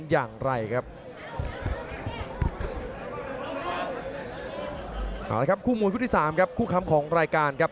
ให้พลยุตภูมิเลยครับ